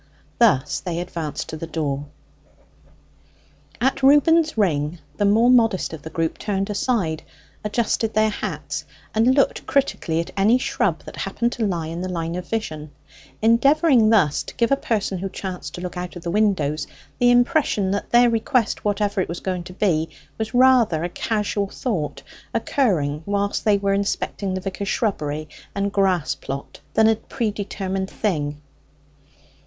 Thus they advanced to the door. At Reuben's ring the more modest of the group turned aside, adjusted their hats, and looked critically at any shrub that happened to lie in the line of vision; endeavouring thus to give a person who chanced to look out of the windows the impression that their request, whatever it was going to be, was rather a casual thought occurring whilst they were inspecting the vicar's shrubbery and grass plot than a predetermined thing.